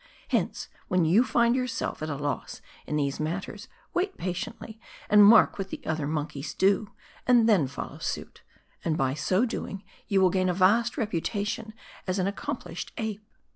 Hence, when you find yourself at a loss in these matters, wait patiently, and mark what the other monkeys do : and then follow suit. And by so doing, you will gain a vast reputation as an accomplished ape.